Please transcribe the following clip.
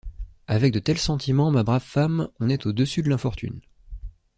Avec de tels sentiments, ma brave femme, on est au-dessus de l’infortune.